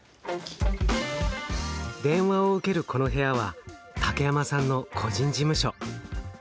電話を受けるこの部屋は竹山さんの個人事務所。